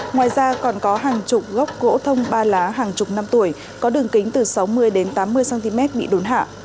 ngoài ra còn có hàng chục gốc gỗ thông ba lá hàng chục năm tuổi có đường kính từ sáu mươi tám mươi cm bị đốn hạ